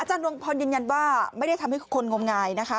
ดวงพรยืนยันว่าไม่ได้ทำให้คนงมงายนะคะ